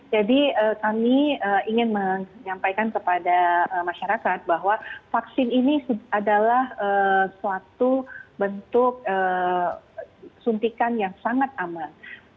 jadi kami ingin menyampaikan kepada masyarakat bahwa vaksin ini adalah suatu bentuk suntikan yang sangat aman